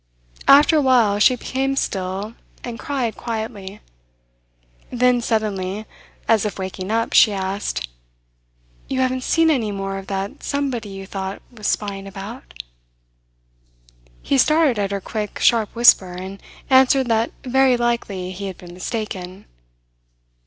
After a while she became still, and cried quietly. Then, suddenly, as if waking up, she asked: "You haven't seen any more of that somebody you thought was spying about?" He started at her quick, sharp whisper, and answered that very likely he had been mistaken.